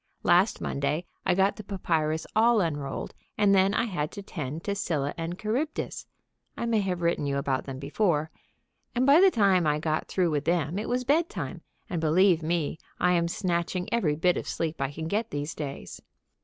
Last Monday I got the papyrus all unrolled, and then I had to tend to Scylla and Charybdis (I may have written you about them before), and by the time I got through with them it was bedtime, and, believe me, I am snatching every bit of sleep I can get these days.